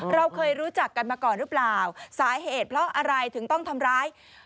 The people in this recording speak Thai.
เราเคยรู้จักกันมาก่อนหรือเปล่าสาเหตุเพราะอะไรถึงต้องทำร้าย